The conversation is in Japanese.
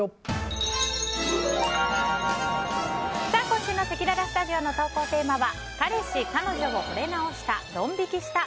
今週のせきららスタジオの投稿テーマは彼氏・彼女をほれ直した！